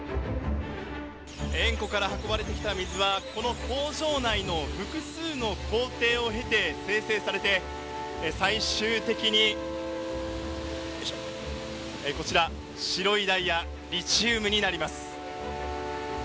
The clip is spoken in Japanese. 塩湖から運ばれてきた水は、この工場内の複数の工程を経て精製されて、最終的にこちら、白いダイヤ、リチウムになります。